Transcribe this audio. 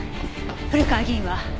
古河議員は？